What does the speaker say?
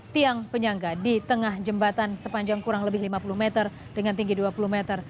tiang penyangga di tengah jembatan sepanjang kurang lebih lima puluh meter dengan tinggi dua puluh meter